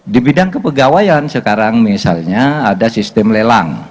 di bidang kepegawaian sekarang misalnya ada sistem lelang